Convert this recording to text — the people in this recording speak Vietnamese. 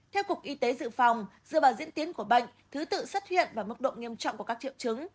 theo cục y tế dự phòng dựa vào diễn tiến của bệnh thứ tự xuất hiện và mức độ nghiêm trọng của các triệu chứng